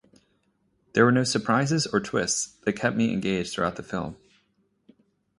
There were no surprises or twists that kept me engaged throughout the film.